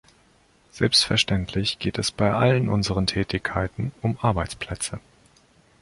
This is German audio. Selbstverständlich geht es bei allen unseren Tätigkeiten um Arbeitsplätze.